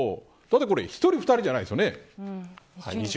だってこれ１人、２人じゃないですよね。